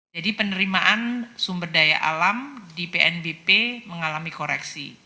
jadi penerimaan sumber daya alam di pnbp mengalami koreksi